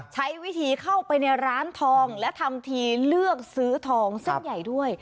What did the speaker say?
ใช้วิธีเข้าไปในร้านทองและทำทีเลือกซื้อทองเส้นใหญ่ด้วย